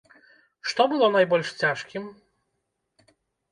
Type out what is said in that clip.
Што было найбольш цяжкім?